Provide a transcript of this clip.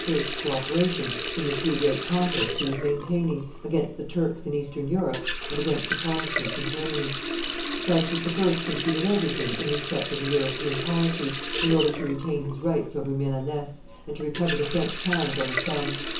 's co operation in the two great contests he was maintaining, against the Turks in eastern Europe and against the Protestants in Germany. Francis I. conceded everything in respect of the European policy in order to retain his rights over Milaness and to recover the French towns on the Somme.